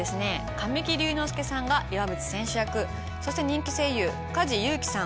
神木隆之介さんが岩渕選手役そして人気声優梶裕貴さん